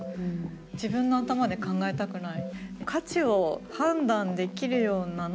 自分の頭で考えたくない。